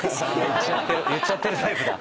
言っちゃってるタイプだ。